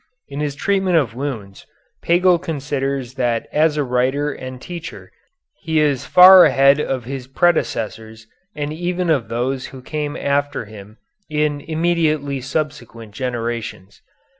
In his treatment of wounds, Pagel considers that as a writer and teacher he is far ahead of his predecessors and even of those who came after him in immediately subsequent generations.